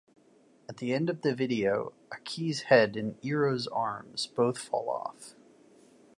At the end of the video, Aki's head and Eero's arms both fall off.